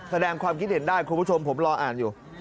แสดงความคิดเห็นได้คุณผู้ชมผมรออ่านอยู่